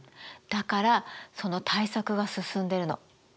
だからその対策が進んでるの。